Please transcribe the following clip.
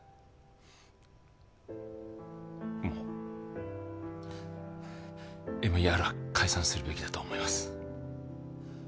もうＭＥＲは解散するべきだと思います